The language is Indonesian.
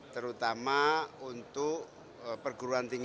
terutama untuk perguruan tinggi